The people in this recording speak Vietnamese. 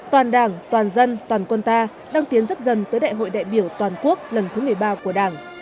toàn đảng toàn dân toàn quân ta đang tiến rất gần tới đại hội đại biểu toàn quốc lần thứ một mươi ba của đảng